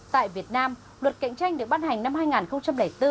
tại việt nam luật cạnh tranh được ban hành năm hai nghìn bốn